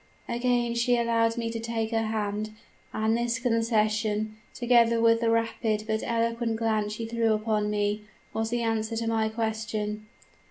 "Again she allowed me to take her hand; and this concession, together with the rapid but eloquent glance she threw upon me, was the answer to my question.